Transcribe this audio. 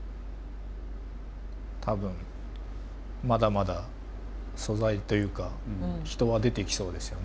多分まだまだ素材というか人は出てきそうですよね。